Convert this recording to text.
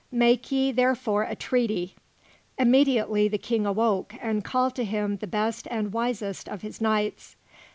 Make ye, therefore, a treaty." Immediately, the King awoke and called to him the best and wisest of his knights.